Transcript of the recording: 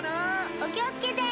おきをつけて！